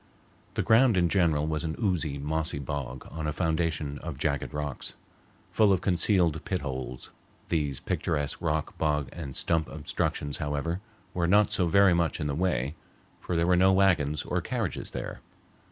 The ground in general was an oozy, mossy bog on a foundation of jagged rocks, full of concealed pit holes. These picturesque rock, bog, and stump obstructions, however, were not so very much in the way, for there were no wagons or carriages there.